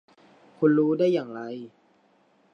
คุณรู้ได้อย่างไร ?